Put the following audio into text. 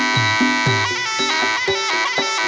โชว์ที่สุดท้าย